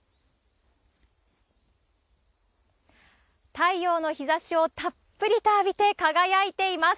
太陽の日ざしをたっぷりと浴びて輝いています。